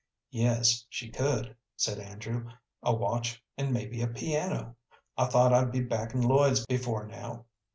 "Yes, she could," said Andrew "a watch and mebbe a piano. I thought I'd be back in Lloyd's before now.